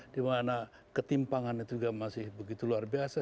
dimana ketimpangan itu juga masih begitu luar biasa